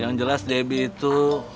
yang jelas debi itu